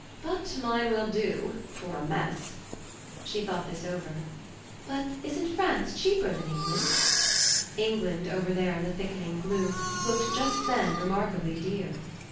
But mine will do for a mess." She thought this over. "But isn't France cheaper than England?" England, over there in the thickening gloom, looked just then remarkably dear.